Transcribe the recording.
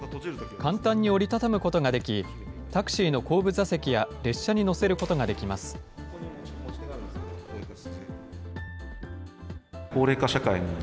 簡単に折り畳むことができ、タクシーの後部座席や列車に載せることができます。